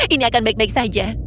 ini akan baik baik saja